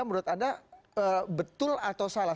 menurut anda betul atau salah